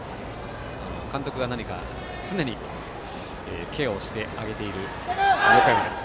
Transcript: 監督が常にケアをしてあげている横山です。